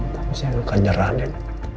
tapi saya akan nyerah ren